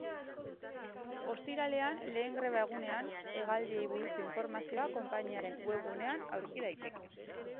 Ostiralean, lehen greba-egunean, hegaldiei buruzko informazioa konpainiaren webgunean aurki daiteke.